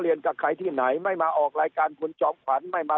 กับใครที่ไหนไม่มาออกรายการคุณจอมขวัญไม่มา